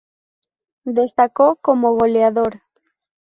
Destacó como goleador.